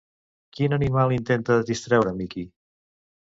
Quin animal intenta distreure Mickey?